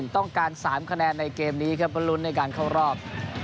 ต้องการ๓คะแนนในเกมนี้ครับก็ลุ้นในการเข้ารอบ